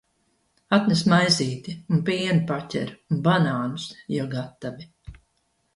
Atnes maizīti! Un pienu paķer, un banānus. Ja gatavi.